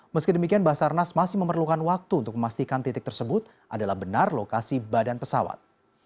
meski demikian basarnas masih memerlukan waktu untuk memastikan titik tersebut adalah benar lokasi badan pesawat